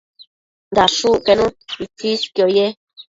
dashucquenu itsisquio ye